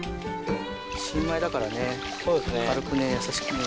新米だからね、軽くね、優しくね。